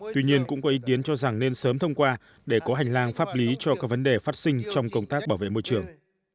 tuy nhiên cũng có ý kiến cho rằng nên sớm thông qua để có hành lang pháp lý cho các vấn đề phát sinh trong công tác bảo vệ môi trường